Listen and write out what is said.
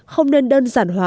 không nên đơn giản hóa